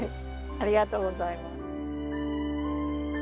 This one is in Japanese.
ありがとうございます。